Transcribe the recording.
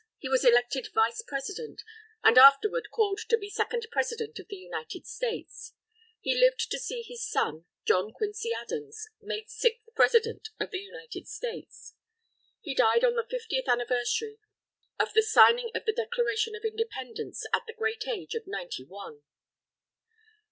He was elected Vice President, and afterward called to be second President of the United States. He lived to see his son, John Quincy Adams, made sixth President of the United States. He died on the Fiftieth Anniversary of the Signing of the Declaration of Independence, at the great age of ninety one.